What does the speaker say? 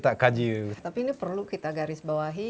tapi ini perlu kita garis bawahi